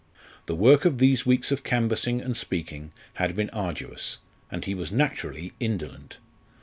The work of these weeks of canvassing and speaking had been arduous, and he was naturally indolent.